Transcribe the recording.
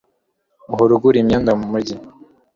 uhora ugura imyenda mumujyi